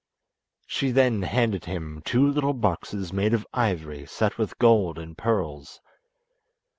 She then handed him two little boxes made of ivory set with gold and pearls.